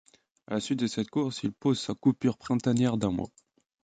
À la suite de cette course, il pose sa coupure printanière d'un mois.